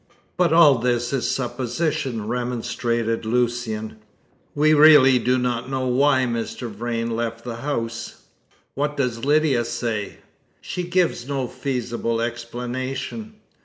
"But all this is supposition," remonstrated Lucian. "We really do not know why Mr. Vrain left the house." "What does Lydia say?" "She gives no feasible explanation."